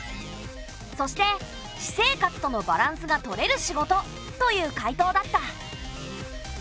そして私生活とのバランスがとれる仕事という回答だった。